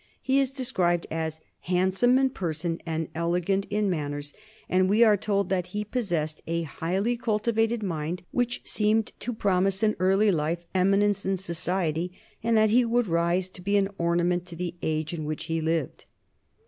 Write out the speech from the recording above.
He is described as "handsome in person and elegant in manners," and we are told that "he possessed a highly cultivated mind which seemed to promise in early life eminence in society, and that he would rise to be an ornament to the age in which he lived."